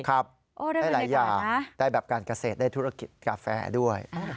ได้หลายอย่างได้แบบการเกษตรได้ธุรกิจกาแฟด้วย